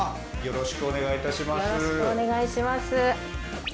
よろしくお願いします。